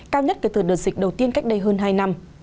cao nhất kể từ đợt dịch đầu tiên cách đây hơn hai năm